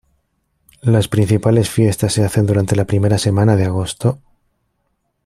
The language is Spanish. Las principales fiestas se hacen durante la primera semana de agosto.